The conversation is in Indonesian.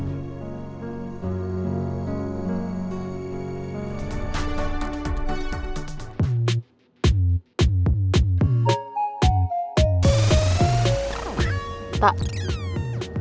bikin aku panik juga